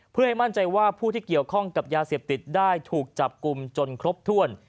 เพื่อให้มั่นใจว่าผู้ที่เกี่ยวข้องกับยาเสพติดได้ถูกจับกลุ่มจนครบถ้วน